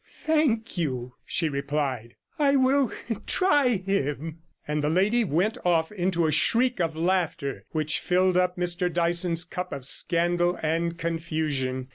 'Thank you,' she replied; 'I will try him,' and the lady went off into a shriek of laughter, which filled up Mr Dyson's cup of scandal and confusion.